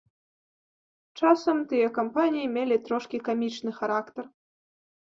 Часам тыя кампаніі мелі трошкі камічны характар.